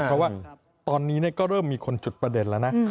เพราะว่าตอนนี้ก็เริ่มมีคนจุดประเด็นแล้วนะ